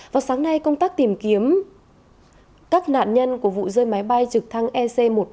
vào sáng nay công tác tìm kiếm các nạn nhân của vụ rơi máy bay trực thăng ec một trăm ba mươi